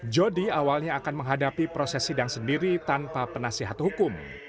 jodi awalnya akan menghadapi proses sidang sendiri tanpa penasihat hukum